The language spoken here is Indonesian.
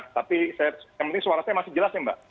tapi yang penting suaranya masih jelas ya mbak